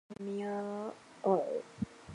供奉弥额尔。